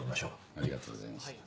ありがとうございます。